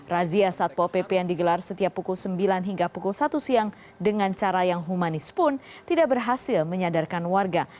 razia satpol pp yang digelar setiap pukul sembilan hingga pukul satu siang dengan cara yang humanis pun tidak berhasil menyadarkan warga